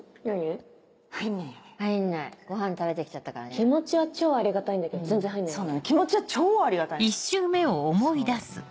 気持ちは超ありがたいんだけど全然入気持ちは超ありがたいのよ